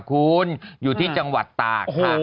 คุณอยู่ที่จังหวัดตากค่ะ